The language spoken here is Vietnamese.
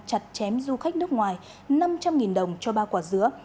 chặt chém du khách nước ngoài năm trăm linh đồng cho ba quả dứa